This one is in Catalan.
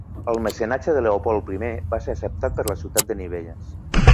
El mecenatge de "Leopold primer" va ser acceptat per la ciutat de Nivelles.